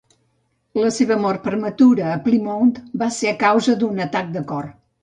La seva mort prematura, a Plymouth, va ser a causa d'un atac de cor.